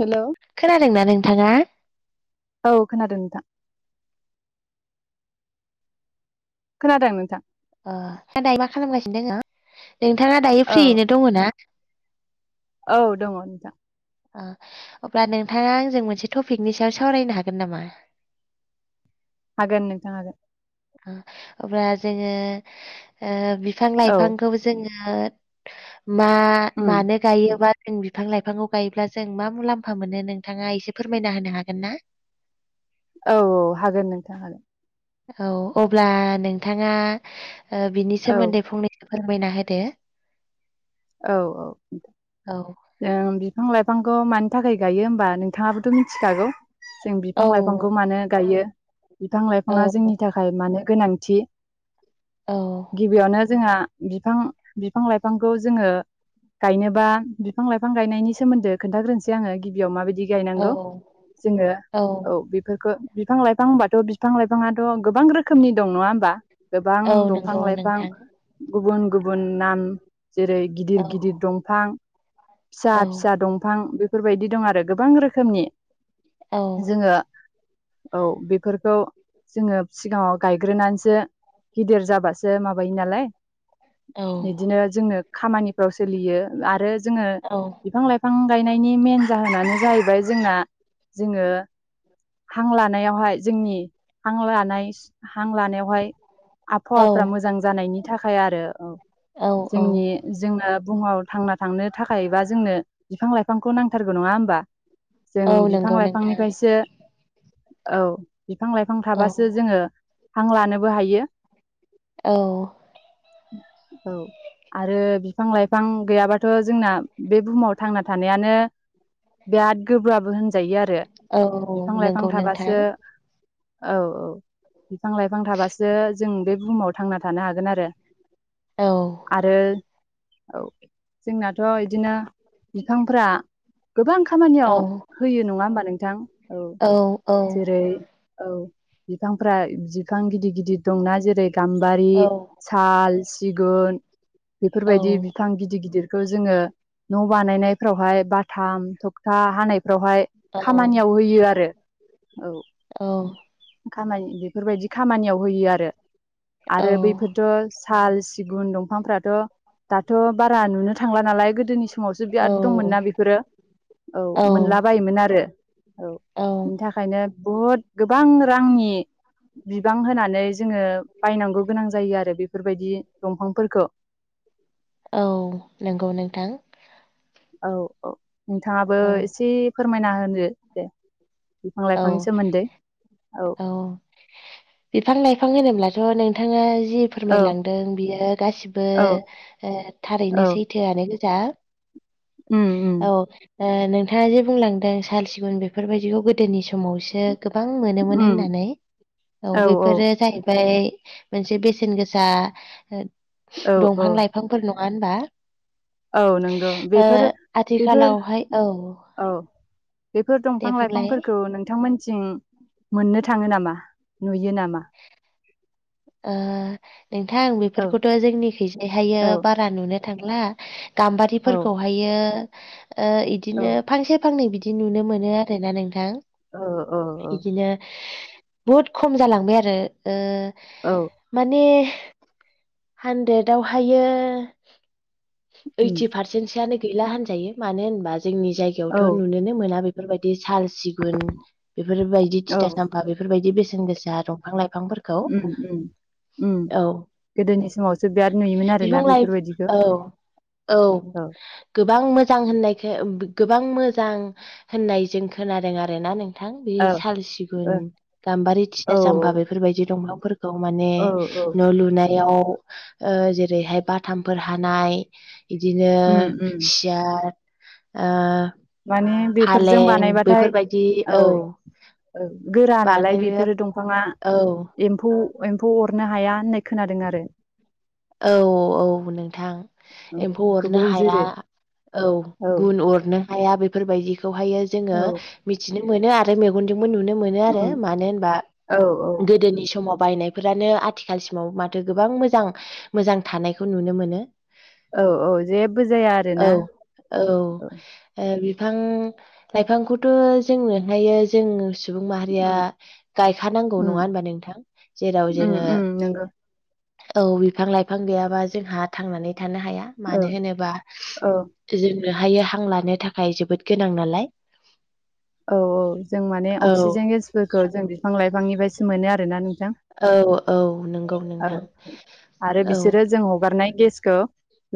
Hello. खोनादोंना नोंथाङा? औ खोनादों नोंथां। खोनादों नोंथां। अ [unintelligible] दायो मा खालामगासिनो दङ? नोंथाङा दायो औ फ्रियैनो दङ ना? औ दङ नोंथां। ओ अब्ला नोंथाङा आंजों मोनसे टपिकनि सायाव सावरायनो हागोन नामा? हागोन नोंथां हागोन। ओ अब्ला जोङो ओ बिफां औ लाइफांखौ जोङो मा उम मानो गायोबा जों बिफां लाइफांखौ गायोब्ला जों मा मुलाम्फा मोनो नोंथाङा एसे फोरमायना होनो हागोन ना? औ औ हागोन नोंथां हागोन औ अब्ला नोंथाङा बिनि औ सोमोन्दै फंनैसो फोरमायना होदो औ औ औ जों बिफां लाइफांखौ मानि थाखाय गायो होमबा नोंथाङाबोथ' मिथिखागौ जों औ बिफां लाइफांखौ मानो गायो बिफां औ लाइफाङा जोंनि नि थाखाय मानो गोनांथि औ गिबियावनो जोंहा बिफां बिफां लाइफांखौ जोङो गायनोबा बिफां लाइफां गायनायनि सोमोन्दो खोन्थाग्रोनोसै आङो गिबियाव माबायदि औ गायनांगौ जोङो औ बेफोरखौ बिफां लाइफां होनबाथ' बिफां लाइफाङाथ' गोबां रोखोमनि दं नङा होमबा गोबां औ दंफां नंगौ लाइफां नोंथां गुबुन गुबुन नाम जेरै गिदिर गिदिर दंफां फिसा औ फिसा दंफां बेफोरबायदि दं आरो गोबां रोखोमनि औ जोङो औ बेफोरखौ जोङो सिगाङाव गायग्रोनानैसो गिदिर जाबासो माबायो नालाय औ इदिनो जोंनो खामानिफ्राव सोलियो आरो जोङो औ बिफां लाइफां बिफां गायनायनि मेन जाहोनानो जाहैबाय जोंहा जोङो हां लानायावहाय जोंनि हां लानाय हां लानायावहाय औ आबहावाफ्रा मोजां जानायनि थाखाय आरो औ औ औ जोंनि जोंनो बुहुमाव थांना थांनो थाखाय बा जोंनो बिफां लाइफांखौ नांथारगौ नङा होमबा जों औ बिफां नंगौ नोंथां लाइफांनिफ्रायसो औ बिफां लाइफां औ थाबासो जोङो हां लानोबो हायो। औ औ आरो बिफां लाइफां गैयाबाथ' जोंना बे बुहुमाव थांना थानायानो बिराद गोब्राब होनजायो आरो औ बिफां लाइफां नंगौ नोंथां। थाबासो औ औ बिफां लाइफां थाबासो जों बे बुहुमाव थांना थानो हागोन आरो औ आरो औ जोंनाथ' इदिनो बिफांफ्रा गोबां औ खामानियाव होयो नङा होमबा नोंथां औ औ औ जेरै औ बिफांफ्रा बिफां गिदिर गिदिर दंना जेरै गाम्बारि औ साल सिगुन औ बेफोरबायदि बिफां गिदिर गिदिरखौ जोङो न बानायनायफ्रावहाय बाथाम थगथा हानाय फ्रावहाय खामानियाव होयो आरो औ औ खामानि बेफोरबायदि खामानियाव होयो आरो आरो बैफोरथ' साल सिगुन दंफांफ्राथ' दाथ' बारा नुनो थांला नालाय गोदोनि समावसो बिराद दंमोन ना बेफोरो औ मोनलाबायोमोन आरो औ औ, बिनि थाखायनो बहुद गोबां रांनि बिबां होनानै जोङो बायनांगौ गोनां जायो आरो बेफोरबायदि दंफांफोरखौ औ नंगौ नोंथां औ औ नोंथाङाबो औ एसे फोरमायना होनो दे बिफां लाइफांनि औ सोमोन्दै औ बिफां लाइफां होनोब्लाथ' नोंथाङा जि औ फोरमायलांदों बियो गासिबो औ औ थारैनो सैथोआनो गोजा उम उम औ नोंथाङा जे बुंलांदों साल सिगुन बेफोरबायदिखौ गोदोनि समावसो गोबां मोनोमोन उम होननानै औ बेफोरो जाहैबाय मोनसे बेसेन गोसा औ औ दंफां लाइफांफोर नङा होनबा। औ नंगौ ओ बेफोर बेफोर आथिखालावहाय औ औ बेफोर दे दंफां बुंलाय लाइफांफोरखौ नोंथांमोननिथिं थिं मोननो थाङो नामा नुयो नामा? ओ नोंथां औ बेफोरखौथ' जोंनिखैजायहायो औ बारा नुनो थांला। औ गाम्बारिफोरखौहायो ओ औ इदिनो फांसे फांनै बिदि नुनो मोनो आरोना नोंथां औ औ औ बिदिनो बुहुद खम जालांबाय आरो ओ औ माने हानद्रेदवहायो उम ओइटि पार सेनसोआनो गैला होनजायो मानो होनबा जोंनि औ जायगायावथ' नुनोनो मोना बे फोरबायदि साल सिगुन बेफोरबायदि औ थिथासाब बा बेफोर बायदि बेसेन गोसा दंफां लाइफांफोर उम उम उम गोदोनि समाव बिफां लाइ औ औ गोबां मोजां होननायखौ गोबां मोजां होननाय जों खोनादों आरो ना नों थां बे औ साल सिगुन ओ गाम्बारि थिथा औ साम्फा बेफोरबायदि दंफांफोरखौ माने औ औ न' लु नायाव ओ जेरैहाय बाथामफोर हानाय बिदिनो उम उम [unintelligible] ओ माने बेफोरजों फालें बानायबाथाय बेफोरबायदि औ औ गोरा नालाय बानाय बेफोरो दंफाङा औ एम्फौ एम्फौ अरनो हाया होननाय खोनादों आरो औ औ नोंथां औ एम्फौ अरनो गोबौ हाया जोरो औ गुन अरनो हाया बेफोरबायदिखौहायो जोङो औ मिथिनो मोनो आरो मे गनजोंनो नुनो मोनो आरो उम मानो होमबा औ औ गोदोनि समाव बायनाय फोरानो आथिखालसिमाव माथो गोबां मोजां मोजां थानायखौ नुनो मोनो। औ औ जेबो जाया आरो औ ना औ ओ बिफां लाइफांखौथ' जोंनो हायो जों सुबुं माहारिया उम गायखानांगौ उम नङा होनबा नोंथां जेराव उम जोङो उम नंगौ औ बिफां लाइफां गैयाबा जोंहा थांनानै थानो हाया औ मानो होनोबा औ जोंनो हायो हां लानो थाखाय जोबोद गोनां नालाय औ औ जों माने औ अक्सिजेन गेसफोरखौ जों बिफां लाइफांनि बसो मोनो आरोना नोंथां औ औ नंगौ औ नोंथां आरो औ बिसोरो जों हगारनाय गेसखौ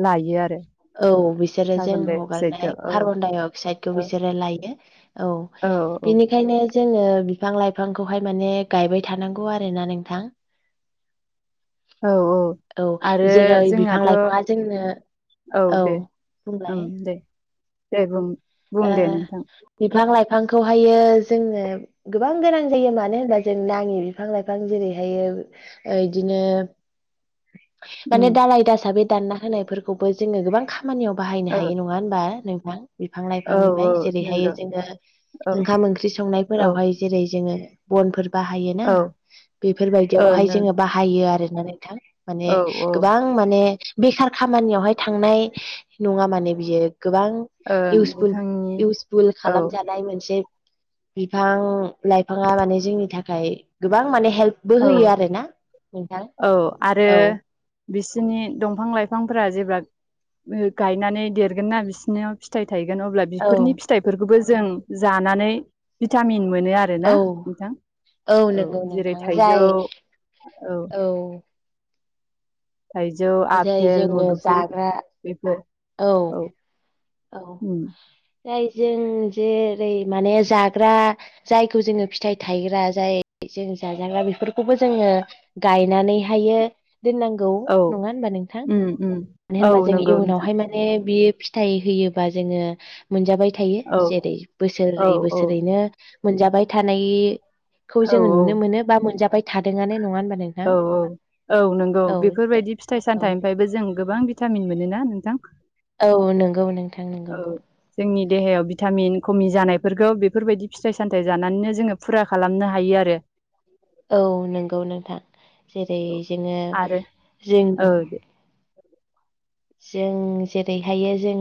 लायो आरो औ बिसोरो जों कार्बन डाइ हगारनाय अक्साइडखौ औ कार्बन डाइ अक्साइदखौ औ बिसोरो लायो। औ बिनिखायनो जोङो बिफां लाइफांखौहाय माने गायबाय थानांगौ आरो ना नोंथां औ औ आरो जेरै बिफां जोंहाथ' लाइफाङा जोंनो औ दे बुंलाय दे दे बुं बुं ओ दे नोंथां बिफां लाइफांखौहायो जोङो गोबां गोनां जायो मानो होनबा जों नाङि बिफां लाइफां जेरैहायो बिदिनो उम माने दालाय दासा बे दानना होनायफोरखौबो जोङो गोबां खामानियाव बाहायनो औ हायो नङा होनबा नोंथां बिफां औ औ लाइफांनिफ्राय जेरैहाय नंगौ जोङो औ ओंखाम ओंख्रि औ संनायफोरावहाय जेरै जोङो बनफोर बाहाय ना ओं बेफोरबायदियावहाय ओं जोङो बाहायो आरोना नोंथां माने औ औ गोबां गोबां माने बेखार खामानियावहाय थांनाय नङा माने बियो गोबां ओं इउसफुल बिथांनि इउसफुल औ खालामजानाय मोनसे बिफां लाइफाङा माने जोंनि थाखाय गोबां माने हेल्पबो औ होयो आरोना नोंथां औ आरो औ बिसोनि दंफां लाइफांफोरा जेब्ला गायनानै देरगोन ना बिसोरनियाव फिथाइ थायगोन अब्ला औ बिफोरनि फिथाइफोरखौबो जों जानानै भिटामिन मोनो आरो आरोना औ नोंथां औ नंगौ जेरै नोंथां जाय थाइजौ औ औ थाइजौ जाय आपेल जोङो मुदुफु जाग्रा बेफोर औ औ उम जाय जों जेरै माने जाग्रा जायखौ जोङो फिथाइ थायग्रा जाय जों जाजाग्रा बेफोरखौबो जोङो गायनानैहायो दोननांगौ औ नङा होनबा नोंथां उम उम मानो औ होनबा जों नंगौ नोंथां इयुनावहाय माने बियो फिथाइ होयोबा जोङो मोनजाबाय थायो औ जेरै औ बोसोरै औ बोसोरैनो मोनजाबाय थानाय खौ औ जोङो नुनो मोनो बा मोनजाबाय थादोंआनो नङा होनबा नों औ औ औ नंगौ दे बेफोरबायदि फिथाइ औ सामथायाइ ओमफ्रायबो जों गोबां भिटामिन मोनो ना नोंथां औ नंगौ नोंथां औ नंगौ जोंनि देहायाव भिटामिन खमि जानायफोरखौ बेफोरबायदि फिथाइ सामथाइ जानानैनो जोङो फुरा खालामनो हायो आरो औ नंगौ नोंथां जेरै जोङो आरो जों औ दे जों जेरैहायो जों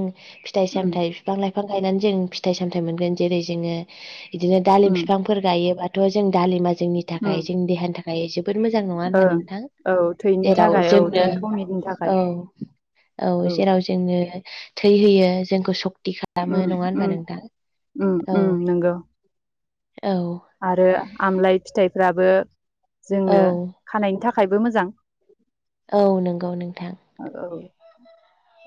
फिथाइ उम सामथाइ बिफां लाइफां गायनानै जों फिथाइ सामथाय मोनगोन जेरै जोङो बिदिनो दालिम उम बिफां फोर गायोबाथ' जों दालिमा जोंनि उम थाखाय जोंनि देहानि थाखाय ओमफ्राय जोबोद मोजां नङा होनबा ओं नोंथां औ थैनि जेराव थाखाय औ थै जोंनो खमिनि थाखाय औ औ जेराव जोंनो थै होयो जोंखौ सक्ति खालाम दामो उम नङा होनबा उम नोंथां उम औ उम नंगौ औ आरो आमलाय फिथाइफ्राबो औ जोंनो खानायनि थाखायबो मोजां औ नंगौ नोंथां औ औ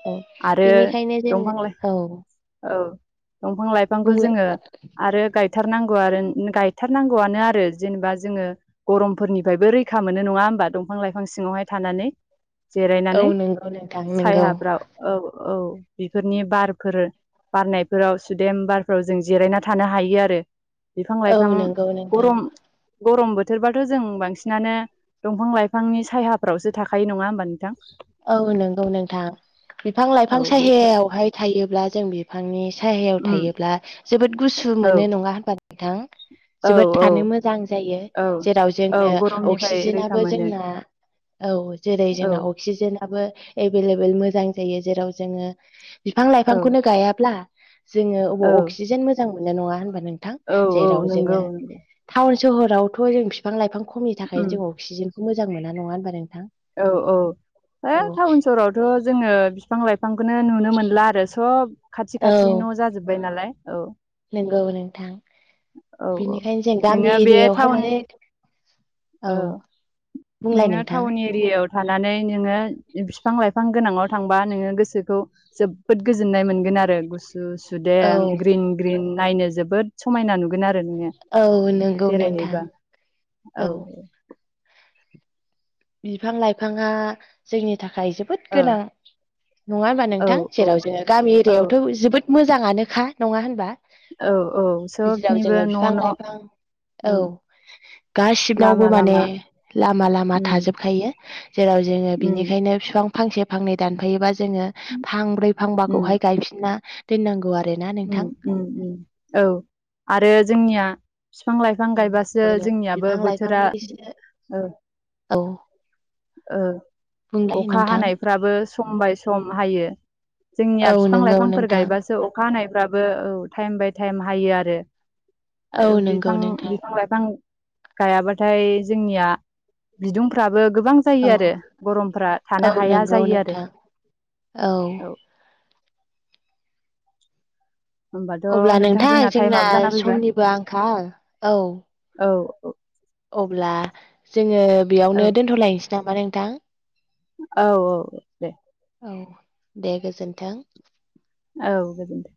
औ आरो बिनिखायनो दंफां जोङो लाइ औ औ दंफां लाइफांखौ बुंलाय जोङो आरो गाय गायथारनांगौ आरो गायथारनांगौआनो आरो जेनेबा जोङो गरमफोरनिफ्रायबो रैखा मोनो नङा होमबा दंफां लाइफां सिङावहाय थानानै औ जिरायनानै नंगौ नोंथां नंगौ सायाफ्राव औ औ बेफोरनि बारफोर बारनायफोराव सुदेम बारफ्राव जों जिरायना थानो हायो आरो बिफां औ लाइफां नंगौ नोंथां गरम गरम बोथोरबाथ' जों बांसिनानो दंफां लाइफांनि सायाफ्रावसो थाखायो नङा होमबा नोंथां औ नंगौ नोंथां बिफां लाइफां औ बे सायायावहाय थायोब्ला जों बे बिफांनि सायायाव उम थायोब्ला जोबोद गुसु औ मोनो नङा होनबा नोंथां औ जोबोद औ थानो मोजां जायो औ जेराव औ जोंनो गरमनिफ्राय रैखा अक्सिजेनाबो मोनो जोंना औ जेरै औ जोंना अक्सिजेनाबो एभेलेबेल मोजां जायो जेराव जोङो बिफां औ लाइफांखौनो गायाब्ला जोङो औ अबाव अक्सिजेन मोजां मोननाय नङा होनबा नोंथां औ औ जेराव जोङो नंगौ नंगौ टाउन सोहरावथ' जों बिफां लाइफां खमनि उम थाखायनो जों अक्सिजेनखौ मोजां मोना नङा होनबा नोंथां औ औ है औ टाउन सहरावथ' जोङो बिफां लाइफांखौनो नुनो मोनला आरो सब खाथि औ खाथि न' जाजोबबाय नालाय औ नंगौ नोंथां औ औ बेनिखायनो जों गामि नोङो बे एरियायावहाय टाउन माने औ बुंलाय नोंथां बेयाव थानानै नोङो बिफां लाइफां गोनाङाव थांबा नोङो गोसोखौ जोबोद गोजोननाय मोनगोन आरो गुसु गुसु औ सुदेम ग्रिन ग्रिन नायनो जोबोद समायना नु गोन आरो नोङो औ नंगौ नोंथां बेरायहैबा औ औ बिफां लाइफाङा जोंनि थाखाय जो बोद औ गोनां नङा होनबा औ नोंथां औ जेराव जोङो गामि औ एरियायावथ' जोबोद मोजाङानोखा नङा होनबा औ औ गेजेराव सोबनिबो जोङो न' बिफां न' लाइफां औ ओं गासिबनावबो लामा माने लामा लामा लामा उम थाजोबखायो जेराव जोङो उम बिनिखायनो बिफां फांसे फांनै दानफैयोबा जोङो उम फांब्रै फांबाखौहाय गायफिनना दोननांगौ आरो औ आरो जोंनिया बिफां लाइफां औ गायबासो जोंनियाबो बिफां बोथोरा लाइफांनि बिसोरो ओ औ बुंलाय अखा नोंथां हानायफ्राबो सम बाय सम हायो जोंनिया औ बिफां नंगौ लाइफांफोर नोंथां गायबासो अखा हानायफ्राबो औ टाइम बाय टाइम हायो आरो औ आरो नंगौ बिफां नोंथां बिफां लाइफां गायाबाथाय जोंनिया बिदुंफ्राबो गोबां जायो औ आरो गरमफ्रा थानो औ हाया नंगौ जायो आरो नोंथां औ अब्ला होमबाथ' नोंथां जोंना टाइमाबो जाना फैबाय समनिबो आंखाल औ औ औ अब्ला जोङो औ बेयावनो दोनथ'लायनोसै नामा नोंथां औ औ दे औ दे गोजोन्थों औ गोजोन्थों।